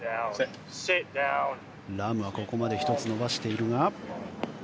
ラームはここまで１つ伸ばしているが。